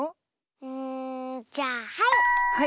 うんじゃあはい！